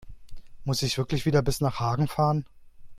Muss ich wirklich wieder bis nach Hagen fahren?